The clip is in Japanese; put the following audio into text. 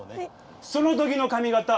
そのときの髪形